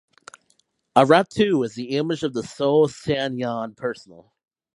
A ratu is the image of the sole Sanghyang Personal.